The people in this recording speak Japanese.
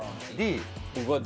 Ｄ？